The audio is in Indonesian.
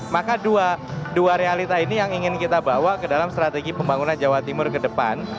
maka dua realita ini yang ingin kita bawa ke dalam strategi pembangunan jawa timur ke depan